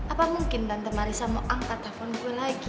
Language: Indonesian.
apa mungkin tante marissa mau angkat telfon gue lagi